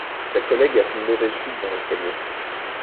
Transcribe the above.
Sa collègue a fait une mauvaise chute dans l'escalier.